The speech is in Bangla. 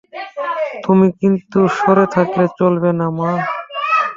তুমি কিন্তু সরে থাকলে চলবে না মা!